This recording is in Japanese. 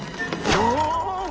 うわ！